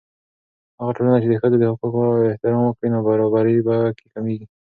هغه ټولنه چې د ښځو د حقوقو احترام وکړي، نابرابري په کې کمېږي.